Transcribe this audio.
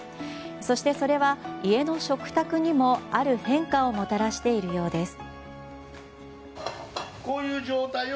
そしてそれは、家の食卓にもある変化をもたらしているようです。